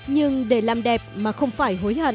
nhưng để làm đẹp mà không phải hối hận